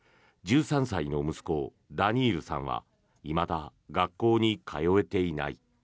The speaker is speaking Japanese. １３歳の息子、ダニールさんはいまだ学校に通えていない。